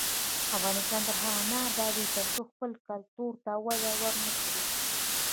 افغانستان تر هغو نه ابادیږي، ترڅو خپل کلتور ته وده ورنکړو.